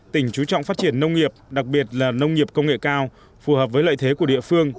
tỉnh chú trọng phát triển nông nghiệp đặc biệt là nông nghiệp công nghệ cao phù hợp với lợi thế của địa phương